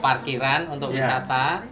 parkiran untuk wisata